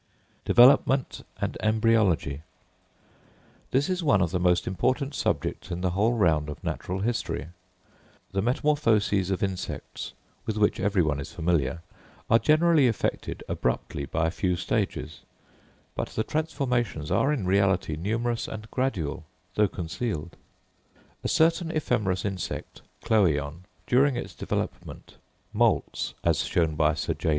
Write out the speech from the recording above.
Development and Embryology. This is one of the most important subjects in the whole round of natural history. The metamorphoses of insects, with which every one is familiar, are generally effected abruptly by a few stages; but the transformations are in reality numerous and gradual, though concealed. A certain ephemerous insect (Chlöeon) during its development, moults, as shown by Sir J.